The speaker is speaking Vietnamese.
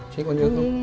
chị có nhớ không